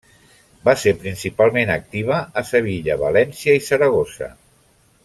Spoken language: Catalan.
Va ser principalment activa a Sevilla, València i Saragossa.